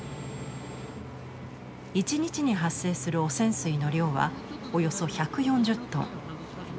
一日に発生する汚染水の量はおよそ１４０トン。